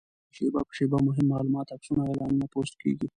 هلته شېبه په شېبه مهم معلومات، عکسونه او اعلانونه پوسټ کېږي.